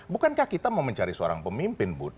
bukankah kita mau mencari seorang pemimpin bud